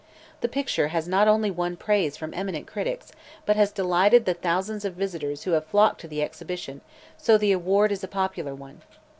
This picture has not only won praise from eminent critics but has delighted the thousands of visitors who have flocked to the exhibition, so the award is a popular one.